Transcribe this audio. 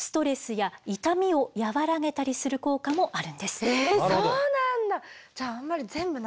更にえそうなんだ。